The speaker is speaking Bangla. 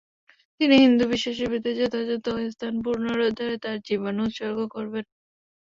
তিনি হিন্দু বিশ্বাসে বেদের যথাযথ স্থান পুনরুদ্ধারে তার জীবন উৎসর্গ করবেন।